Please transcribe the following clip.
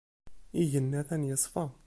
Igenni atan yeṣfa.